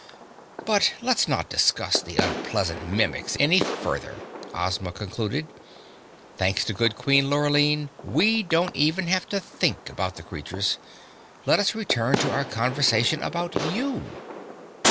But let's not discuss the unpleasant Mimics any further," Ozma concluded. "Thanks to good Queen Lurline we don't even have to think about the creatures. Let us return to our conversation about you."